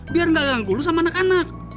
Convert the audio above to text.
biar ga ganggu lu sama anak anak